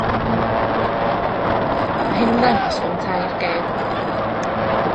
Mae hi'n ymddangos mewn tair gêm.